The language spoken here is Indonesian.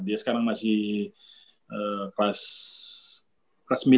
dia sekarang masih kelas sembilan tuh gak baik